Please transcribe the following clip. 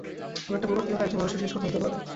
এমন একটা প্রবাদ কীভাবে একজন মানুষের শেষ কথা হতে পারে?